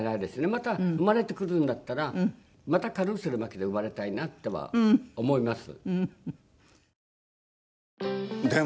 また生まれてくるんだったらまたカルーセル麻紀で生まれたいなとは思います。